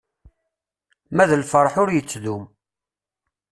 Ma d lferḥ ur yettdum.